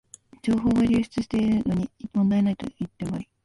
情報が流出してるのに問題ないの一点張り